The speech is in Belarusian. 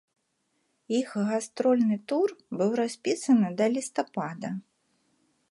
Іх гастрольны тур быў распісаны да лістапада.